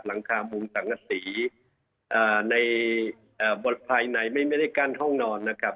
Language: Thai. หลังคามุงสังกษีในบทภายในไม่ได้กั้นห้องนอนนะครับ